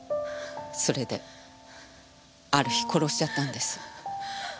それである日殺しちゃったんです。